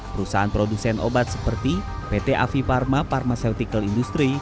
perusahaan produsen obat seperti pt afiparma pharmaceutical industry